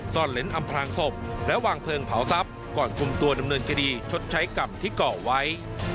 ซ่อนเล้นอำพลางศพและวางเพลิงเผาทรัพย์ก่อนคุมตัวดำเนินคดีชดใช้กรรมที่เกาะไว้